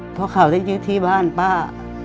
เพราะเขาได้ยึดที่บ้านป้า